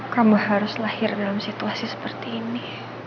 kamu harus lahir dalam situasi seperti ini